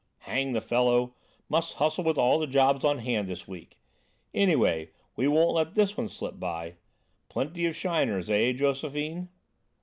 "Hang the fellow! Must hustle with all the jobs on hand this week. Anyway, we won't let this one slip by. Plenty of shiners, eh, Josephine?"